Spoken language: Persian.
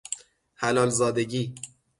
حلال زادگی